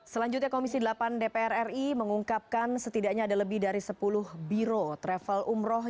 selanjutnya komisi delapan dpr ri mengungkapkan setidaknya ada lebih dari sepuluh biro travel umroh